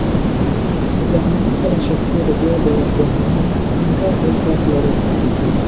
La nomo de la ĉefurbo de la komunumo ankaŭ estas Loreto.